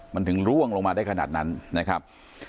มันถึงร่วงลงมาได้ขนาดนั้นนะครับ